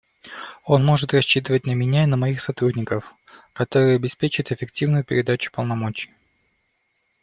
Он может рассчитывать на меня и на моих сотрудников, которые обеспечат эффективную передачу полномочий.